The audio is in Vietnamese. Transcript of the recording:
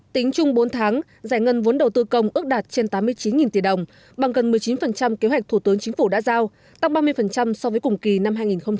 tính chung bốn tháng giải ngân vốn đầu tư công ước đạt trên tám mươi chín tỷ đồng bằng gần một mươi chín kế hoạch thủ tướng chính phủ đã giao tăng ba mươi so với cùng kỳ năm hai nghìn một mươi chín